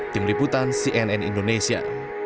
tim liputan cnn indonesia